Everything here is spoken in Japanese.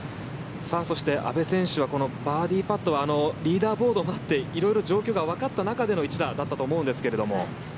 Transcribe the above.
そして阿部選手はこのバーディーパットはリーダーボードもあって色々状況がわかった中での一打だったと思うんですが。